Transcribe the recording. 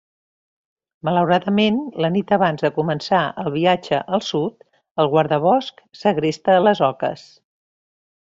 Malauradament, la nit abans de començar el viatge al sud, el guardabosc segresta les oques.